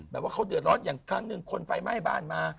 แบบว่าเขาเดือดร้อนอย่างครั้งหนึ่งคนไฟไหม้บ้านมา